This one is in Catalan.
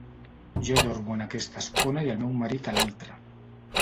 Jo dormo en aquesta espona i el meu marit a l'altra.